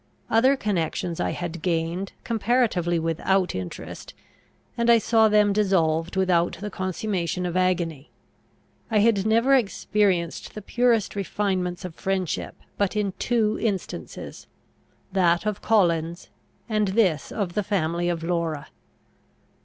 Other connections I had gained, comparatively without interest; and I saw them dissolved without the consummation of agony. I had never experienced the purest refinements of friendship, but in two instances, that of Collins, and this of the family of Laura.